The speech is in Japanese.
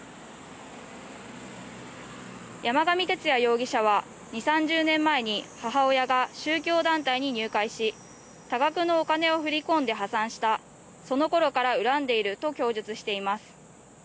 山上徹也容疑者は２０３０年前に母親が宗教団体に入会し多額のお金を振り込んで破産したその頃から恨んでいると供述しています。